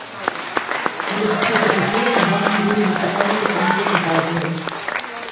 Deze privatiseringswaanzin moet beëindigd en teruggedraaid worden.